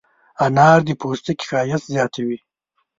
انار د پوستکي ښایست زیاتوي.